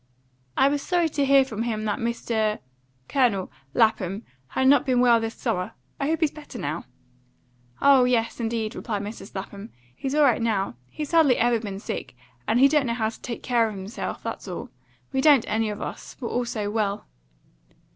"I was sorry to hear from him that Mr. Colonel? Lapham had not been quite well this summer. I hope he's better now?" "Oh yes, indeed," replied Mrs. Lapham; "he's all right now. He's hardly ever been sick, and he don't know how to take care of himself. That's all. We don't any of us; we're all so well."